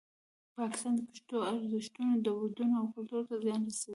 پاکستان د پښتنو ارزښتونه، دودونه او کلتور ته زیان رسوي.